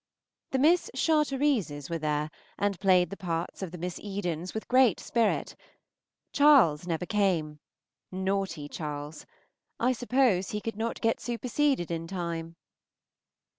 The Miss Charterises were there, and played the parts of the Miss Edens with great spirit. Charles never came. Naughty Charles! I suppose he could not get superseded in time.